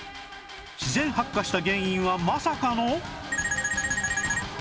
自然発火した原因はまさかの